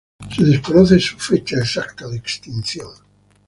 Se desconoce su fecha exacta de extinción.